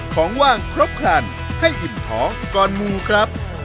ของว่างครบครันให้อิ่มท้องก่อนมูครับ